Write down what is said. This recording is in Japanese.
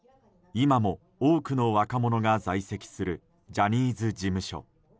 今も多くの若者が在籍するジャニーズ事務所。